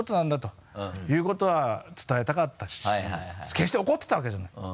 決して怒ってたわけじゃない。